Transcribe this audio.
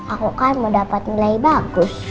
aku kan mau dapat nilai bagus